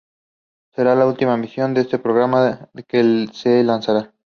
Será la última misión de este programa que se lanzará.